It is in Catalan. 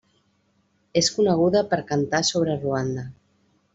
És coneguda per cantar sobre Ruanda.